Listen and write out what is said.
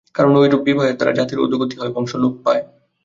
কারণ ঐরূপ বিবাহের দ্বারা জাতির অধোগতি হয়, বংশ লোপ পায়।